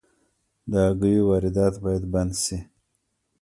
د هګیو واردات باید بند شي